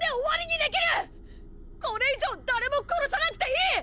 これ以上誰も殺さなくていい！！